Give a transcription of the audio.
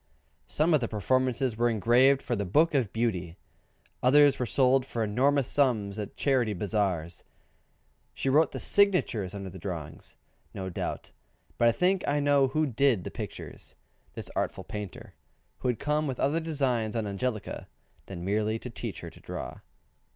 Some of the performances were engraved for the "Book of Beauty:" others were sold for enormous sums at Charity Bazaars. She wrote the signatures under the drawing no doubt, but I think I know who did the pictures this artful painter, who had come with other designs on Angelica than merely to teach her to draw.